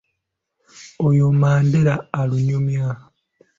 Oyo Mandera alunyumya.